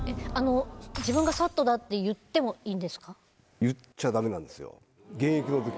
自分がＳＡＴだって言ってもいいんですか？